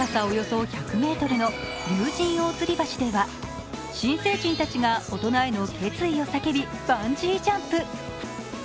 およそ１００ｍの竜神大吊橋では、新成人たちが大人への決意を叫び、バンジージャンプ。